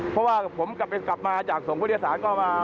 เพราะว่าผมกลับมาจากส่งผู้โดยสารก็มา